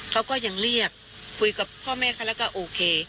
เขาก็ยังเรียกคุยกับพ่อแม่เขาแล้วก็โอเค